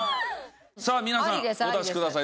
さあ皆さんお出しください。